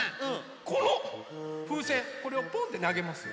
このふうせんこれをポンってなげます。